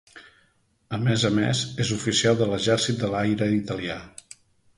A més a més és oficial de l'exèrcit de l'aire italià.